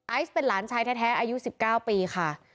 เป็นหลานชายแท้อายุ๑๙ปีค่ะ